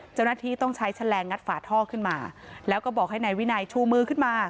เจ้าหน้าที่ต้องใช้แฉลงงัดฝาท่อขึ้นมาแล้วก็บอกให้นายวินัยชูมือขึ้นมา